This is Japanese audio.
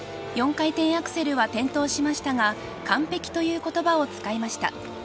４回転アクセルは転倒しましたが、完璧ということばを使いました。